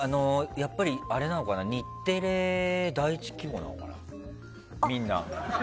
やっぱり日テレ第一希望なのかな、みんな。